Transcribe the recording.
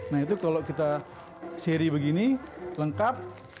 nah itu kalau kita seri begini lengkap